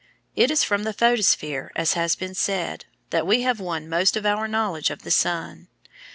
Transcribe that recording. It is from the photosphere, as has been said, that we have won most of our knowledge of the sun.